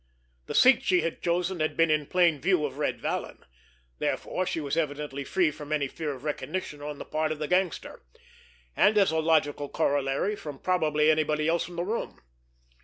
The seat she had chosen had been in plain view of Red Vallon, therefore she was evidently free from any fear of recognition on the part of the gangster, and, as a logical corollary, from probably anybody else in the room.